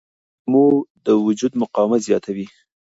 لیمو د وجود مقاومت زیاتوي.